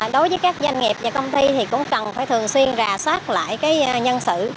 đối với các doanh nghiệp và công ty thì cũng cần phải thường xuyên rà soát lại nhân sự